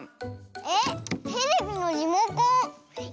えっテレビのリモコン。